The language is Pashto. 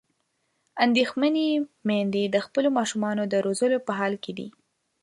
اندېښمنې میندې د خپلو ماشومانو د روزلو په حال کې دي.